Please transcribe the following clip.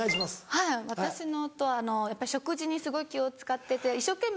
はい私の夫はやっぱり食事にすごい気を使ってて一生懸命。